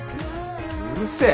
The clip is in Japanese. うるせえ！